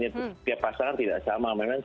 setiap pasangan tidak sama